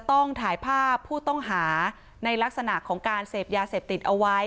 ต้องถ่ายภาพผู้ต้องหาในลักษณะของการเสพยาเสพติดเอาไว้